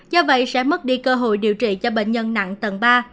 do vậy sẽ mất đi cơ hội điều trị cho bệnh nhân nặng tầng ba